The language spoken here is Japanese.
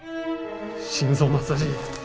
心臓マッサージ！